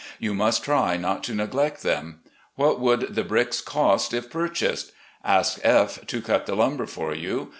You must try not to neglect them. What would the bricks cost if purchased? Ask F to cut the lumber for you.